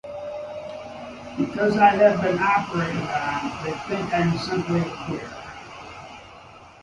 Because I have been operated on, they think I am simply a queer.